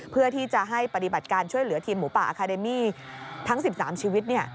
เพื่อที่จะให้ปฏิบัติการช่วยเหลือทีมหมูป่าอาคาเดมี่ทั้ง๑๓ชีวิต